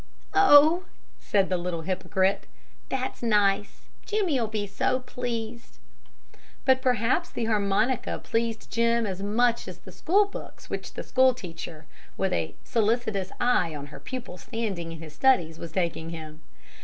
"Oh," said the little hypocrite, "that's nice! Jimmie'll be so pleased." But perhaps the harmonica pleased Jim as much as the schoolbooks which the school teacher, with a solicitous eye on her pupil's standing in his studies, was taking to him.